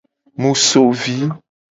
Mu so vi.